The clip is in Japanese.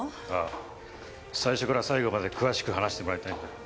最初から最後まで詳しく話してもらいたいんだ。